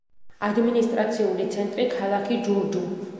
ადმინისტრაციული ცენტრი ქალაქი ჯურჯუ.